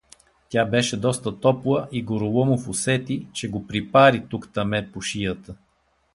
Тя беше доста топла и Гороломов усети, че го припари тук-таме по шията.